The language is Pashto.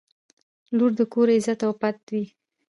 • لور د کور عزت او پت وي.